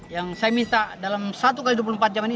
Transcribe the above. yang saya minta dalam satu x dua puluh empat jam ini